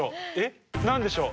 何でしょう？